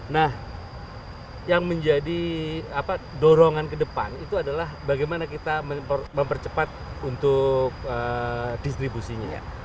nah yang menjadi dorongan ke depan itu adalah bagaimana kita mempercepat untuk distribusinya